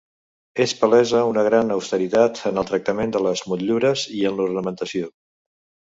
És palesa una gran austeritat en el tractament de les motllures i en l'ornamentació.